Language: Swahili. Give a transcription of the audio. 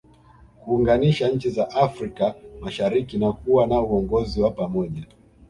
Kuunganisha nchi za Afrika mashariki na kuwa na uongozi wa pamoja